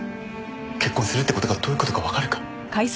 結婚するって事がどういう事かわかるか？